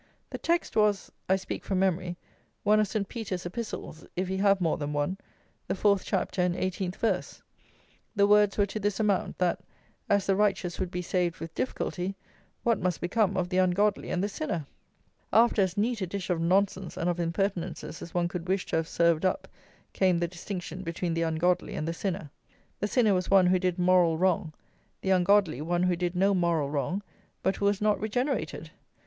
The text was (I speak from memory) one of Saint Peter's epistles (if he have more than one) the 4th Chapter and 18th Verse. The words were to this amount: that, as the righteous would be saved with difficulty, what must become of the ungodly and the sinner! After as neat a dish of nonsense and of impertinences as one could wish to have served up, came the distinction between the ungodly and the sinner. The sinner was one who did moral wrong; the ungodly, one who did no moral wrong, but who was not regenerated.